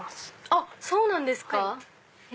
あっそうなんですか！